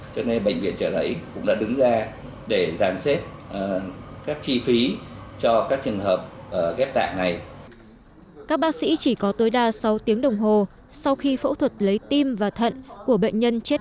các bác sĩ chỉ có tối đa sáu tiếng đồng hồ sau khi phẫu thuật lấy tim và thận của bệnh nhân chết